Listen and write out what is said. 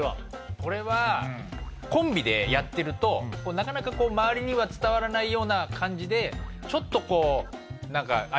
これはコンビでやってるとなかなか周りには伝わらないような感じでちょっと何か。